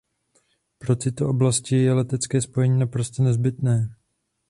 Pro tyto oblasti je letecké spojení naprosto nezbytné.